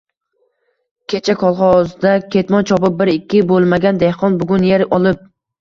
Kecha kolxozda ketmon chopib, biri ikki bo’lmagan dehqon bugun yer olib